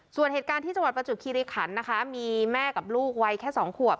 ส่วนเหตุการณ์ที่จังหวัดประจวบคิริขันนะคะมีแม่กับลูกวัยแค่๒ขวบ